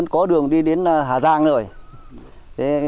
có đường đi đến hà giang rồi về đây chuyển